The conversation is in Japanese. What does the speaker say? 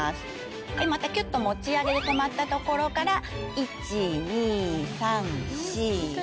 はいまたきゅっと持ち上げて止まったところから１・２・３・４・５。